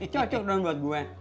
cocok dong buat gue